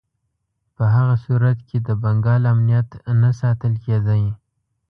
په هغه صورت کې د بنګال امنیت نه ساتل کېدی.